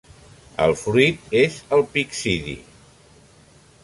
El fruit és el pixidi.